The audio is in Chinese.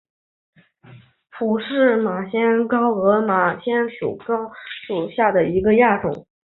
普氏马先蒿南方亚种为玄参科马先蒿属下的一个亚种。